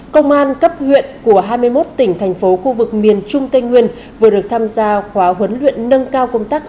công an cấp huyện của hai mươi một tỉnh thành phố khu vực miền trung tây nguyên vừa được tham gia khóa huấn luyện nâng cao công tác